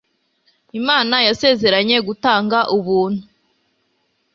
Imana yasezeranye gutangana ubuntu.